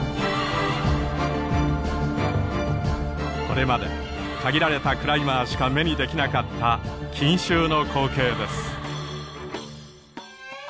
これまで限られたクライマーしか目にできなかった錦秋の光景です。